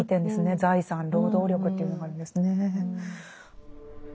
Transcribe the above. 財産労働力っていうのがあるんですね。